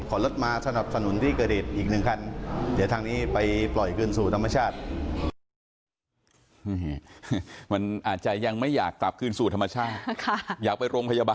รถมาสนับสนุนที่เกิดเหตุอีกหนึ่งคันเดี๋ยวทางนี้ไปปล่อยคืนสู่ธรรมชาติ